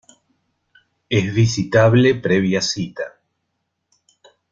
Es visitable previa cita.